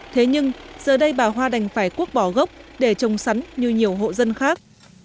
thế nhưng giờ đây bà hoa đành phải cuốc bỏ gốc để trồng sắn như nhiều hộ dân khác